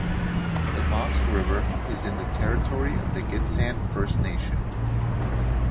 The Mosque River is in the territory of the Gitxsan First Nation.